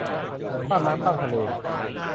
ข้ามน้ำข้ามทะเล